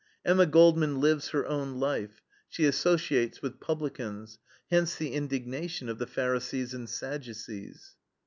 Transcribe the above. Emma Goldman lives her own life; she associates with publicans hence the indignation of the Pharisees and Sadducees.